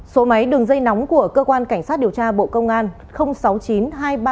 số máy đường dây nóng của cơ quan cảnh sát điều tra bộ công an sáu mươi chín hai trăm ba mươi bốn năm nghìn tám trăm sáu mươi